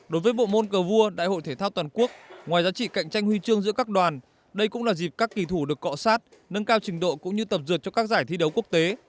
đối với bộ môn cờ vua đại hội thể thao toàn quốc ngoài giá trị cạnh tranh huy chương giữa các đoàn đây cũng là dịp các kỳ thủ được cọ sát nâng cao trình độ cũng như tập dượt cho các giải thi đấu quốc tế